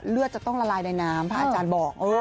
จะต้องละลายในน้ำพระอาจารย์บอก